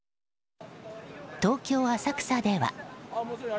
東京・浅草では。